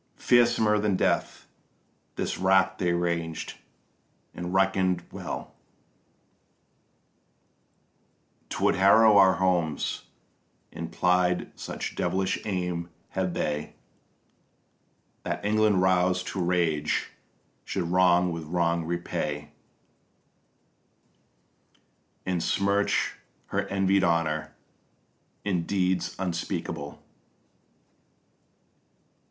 Fearsomer than death this rack they ranged, and reckon'd well 'Twould harrow our homes, and plied, such devilish aim had they, That England roused to rage should wrong with wrong repay, And smirch her envied honour in deeds unspeakable.